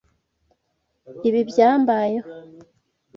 Ibi byambayeho.